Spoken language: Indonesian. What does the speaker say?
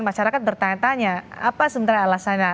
masyarakat bertanya tanya apa sebenarnya alasannya